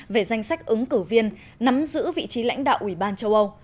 về danh sách ứng cử viên nắm giữ vị trí lãnh đạo ủy ban châu âu